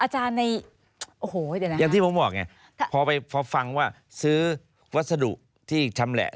ในโอ้โหเดี๋ยวนะอย่างที่ผมบอกไงพอไปพอฟังว่าซื้อวัสดุที่ชำแหละ